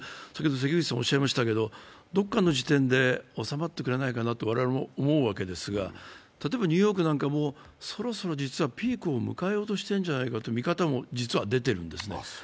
もう１つ、どこかの時点で収まってくれないかなと我々も思うわけですが、例えばニューヨークなんかもそろそろピークを迎えようとしてるんじゃないかという見方も出ているんです。